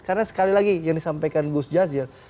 karena sekali lagi yang disampaikan gus jazil